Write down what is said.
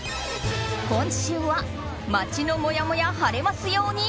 今週は街のもやもや晴れますように！